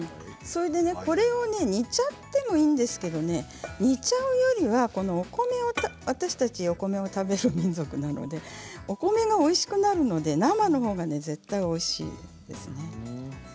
これを煮ちゃってもいいんですけれども煮ちゃうよりは、私たちお米を食べる民族なのでお米がおいしくなるので、生のほうが絶対においしいですね。